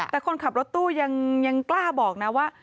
แต่คนขับรถตู้ยังกล้าบอกนะว่า